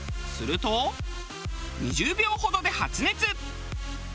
すると２０秒ほどで発熱。